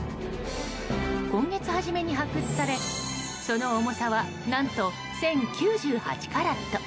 今月初めに発掘されその重さは何と１０９８カラット。